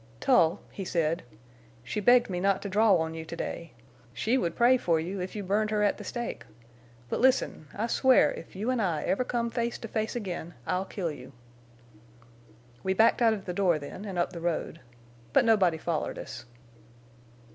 'Tull,' he said, 'she begged me not to draw on you to day. She would pray for you if you burned her at the stake.... But listen!... I swear if you and I ever come face to face again, I'll kill you!' "We backed out of the door then, an' up the road. But nobody follered us."